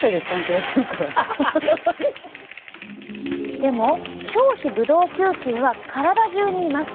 でも表皮ブドウ球菌は体中にいます。